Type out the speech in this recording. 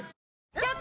ちょっと！